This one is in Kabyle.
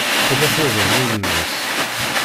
Tella tuḍen ul-nnes.